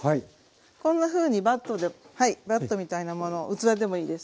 こんなふうにバットではいバットみたいなものを器でもいいです。